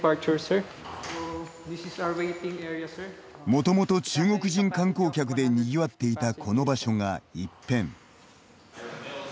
もともと中国人観光客でにぎわっていた、この場所が一変。